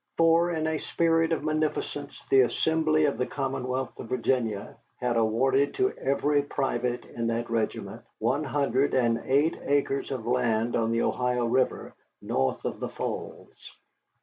For, in a spirit of munificence, the Assembly of the Commonwealth of Virginia had awarded to every private in that regiment one hundred and eight acres of land on the Ohio River, north of the Falls.